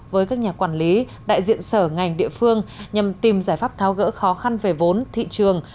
với các nhà quản lý đại diện sở ngành địa phương nhằm tìm giải pháp tháo gỡ khó khăn về vốn thị trường